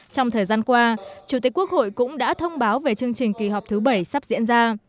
trong thời gian qua chủ tịch quốc hội cũng đã thông báo về chương trình kỳ họp thứ bảy sắp diễn ra